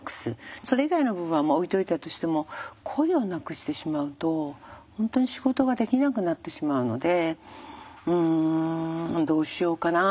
それ以外の部分は置いておいたとしても声をなくしてしまうと本当に仕事ができなくなってしまうのでうんどうしようかな。